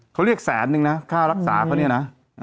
เขาเรียกแสนนึงนะค่ารักษาเขาเนี่ยนะ